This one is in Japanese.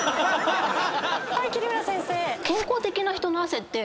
はい桐村先生。